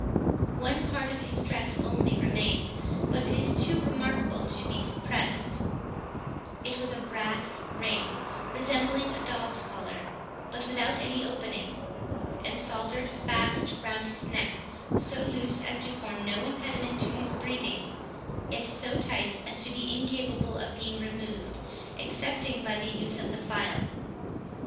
One part of his dress only remains, but it is too remarkable to be suppressed; it was a brass ring, resembling a dog's collar, but without any opening, and soldered fast round his neck, so loose as to form no impediment to his breathing, yet so tight as to be incapable of being removed, excepting by the use of the file.